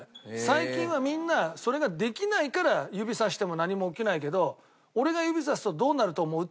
最近はみんなそれができないから指さしても何も起きないけど俺が指さすとどうなると思う？